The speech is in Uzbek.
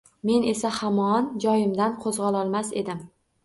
Men esa hamon joyimdan qo‘zg‘alolmas edim.